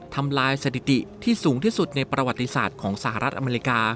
ทำลายสถิติที่สูงที่สุดในประวัติศาสตร์ของสหรัฐอเมริกา